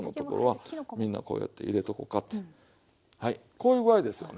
こういう具合ですよね。